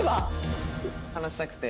話したくて。